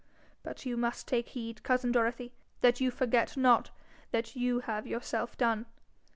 But you must take heed, cousin Dorothy, that you forget not that you have yourself done.